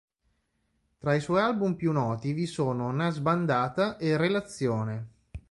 Tra i suoi album più noti vi sono: "Na sbandata" e "Relazione".